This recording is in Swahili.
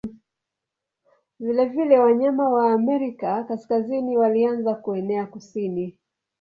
Vilevile wanyama wa Amerika Kaskazini walianza kuenea kusini.